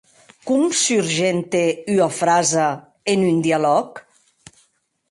Com surgente ua frasa en un dialòg?